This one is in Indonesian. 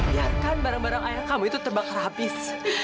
biarkan barang barang ayah kamu itu terbakar habis